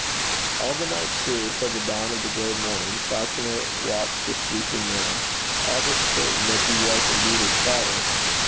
All the night through, till the dawn of the gray morning, Falconer watched the sleeping man, all but certain that he was indeed his father.